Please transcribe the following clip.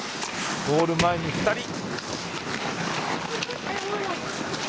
ゴール前に２人。